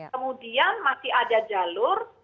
kemudian masih ada jalur